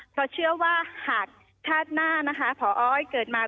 เพราะเชื่อว่าหากชาติหน้านะคะพออ้อยเกิดมา